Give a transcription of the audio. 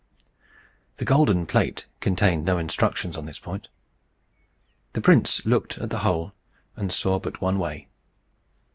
The golden plate contained no instructions on this point. The prince looked at the hole, and saw but one way.